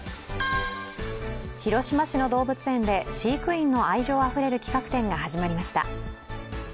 広島市の動物園で飼育員の愛情あふれる企画展が始まりました。